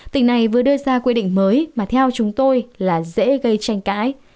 tỉnh này vừa đưa ra quy định mới mà theo chúng tôi là dễ gây tranh cãi